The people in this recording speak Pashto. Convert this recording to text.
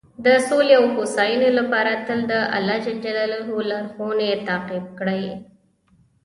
د سولې او هوساینې لپاره تل د الله لارښوونې تعقیب کړئ.